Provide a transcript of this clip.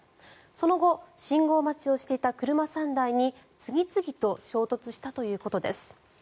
その後信号待ちをしていた車３台に次々と衝突したということです。